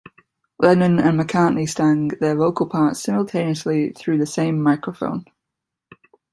Lennon and McCartney sang their vocal parts simultaneously through the same microphone.